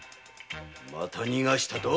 また逃がしたと。